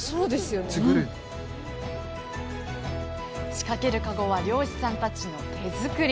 仕掛けるかごは漁師さんたちの手作り！